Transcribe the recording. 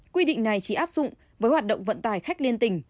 quy định này chỉ áp dụng với hoạt động vận tải khách liên tỉnh